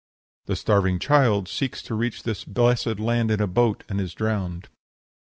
The starving child seeks to reach this blessed land in a boat and is drowned.